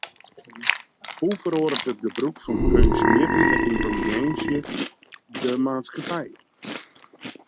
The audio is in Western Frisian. Hoe feroaret it gebrûk fan keunstmjittige yntelliginsje de maatskippij?